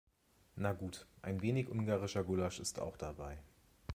Na gut, ein wenig ungarischer Gulasch ist auch dabei.